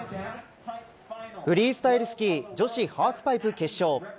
フリースタイルスキー女子ハーフパイプ決勝。